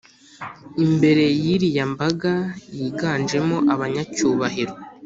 imbere yiriyambaga yiganjemo abanyacyubahiro"